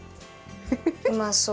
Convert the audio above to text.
うまそう。